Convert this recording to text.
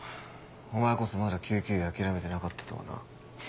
お前こそまだ救急医諦めてなかったとはな。